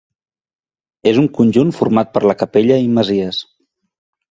És un conjunt format per la capella i masies.